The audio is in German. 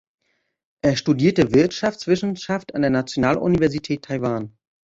Er studierte Wirtschaftswissenschaft an der Nationaluniversität Taiwan.